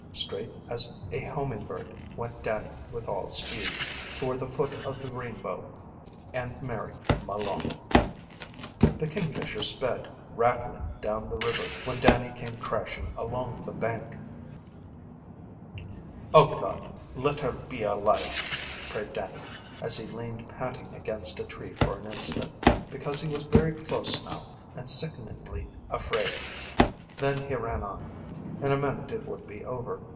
Straight as a homing bird went Dannie with all speed, toward the foot of the Rainbow and Mary Malone. The Kingfisher sped rattling down the river when Dannie came crashing along the bank. "Oh, God, let her be alive!" prayed Dannie as he leaned panting against a tree for an instant, because he was very close now and sickeningly afraid. Then he ran on. In a minute it would be over.